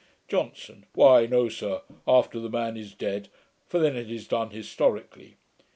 JOHNSON. 'Why no, sir, after the man is dead; for then it is done historically.'